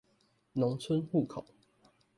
農村戶口